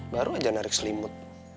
baru aja narik selimut